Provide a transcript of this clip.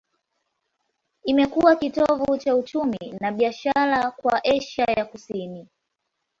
Imekuwa kitovu cha uchumi na biashara kwa Asia ya Kusini.